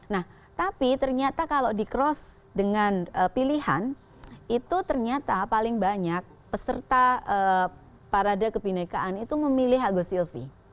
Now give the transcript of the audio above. nah tapi ternyata kalau di cross dengan pilihan itu ternyata paling banyak peserta parade kebinekaan itu memilih agus silvi